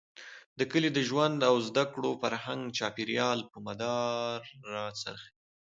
د کلي د ژوند او زده کړو، فرهنګ ،چاپېريال، په مدار را څرخېږي.